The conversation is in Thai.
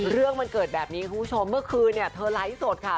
เรื่องมันเกิดแบบนี้คุณผู้ชมเมื่อคืนเนี่ยเธอไลฟ์สดค่ะ